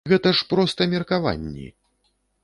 Гэта ж проста меркаванні!